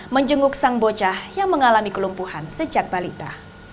menjenguk sang bocah yang mengalami kelumpuhan sejak balita